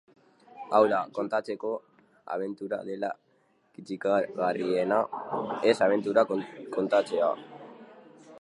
Hau da, kontatzeko abentura dela kitzikagarriena, ez abentura kontatzea.